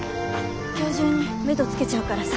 今日中に目処つけちゃうからさ。